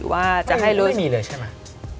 ไม่มีเลยใช่ไหม